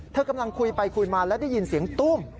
เธอกำลังคุยไปคุยมาและได้ยินเสียงตุ้ม